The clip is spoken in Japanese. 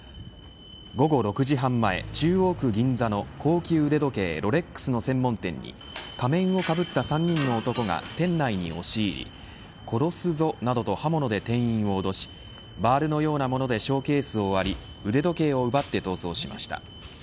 午後６時半前、中央区銀座の高級腕時計ロレックスの専門店に仮面をかぶった３人の男が店内に押し入り殺すぞなどと刃物で店員をおどしバールのようなものでショーケースを割り腕時計を奪って逃走しました。